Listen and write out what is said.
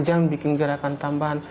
jangan bikin gerakan tambahan